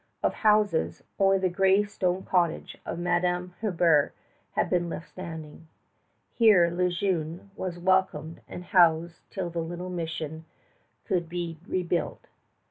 Of houses, only the gray stone cottage of Madame Hebert had been left standing. Here Le Jeune was welcomed and housed till the little mission could be rebuilt.